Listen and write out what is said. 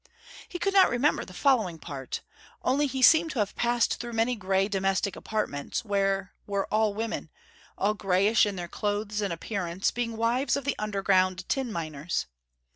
He could not remember the following part. Only he seemed to have passed through many grey domestic apartments, where were all women, all greyish in their clothes and appearance, being wives of the underground tin miners.